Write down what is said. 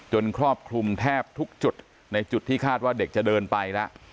ครอบคลุมแทบทุกจุดในจุดที่คาดว่าเด็กจะเดินไปแล้ว